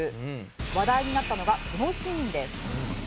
「話題になったのがこのシーンです」